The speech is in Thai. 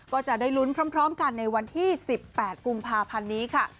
ก็จะได้ลุ้นพร้อมกันในวันที่๑๘กุมภาพันธ์นี้ค่ะ